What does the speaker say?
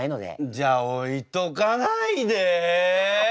じゃあ置いとかないで。